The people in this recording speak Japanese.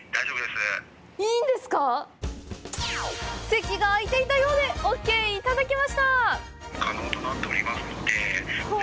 席が空いていたようでオーケーいただけました。